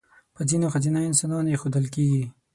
په ځینو ښځینه انسانانو اېښودل کېږي.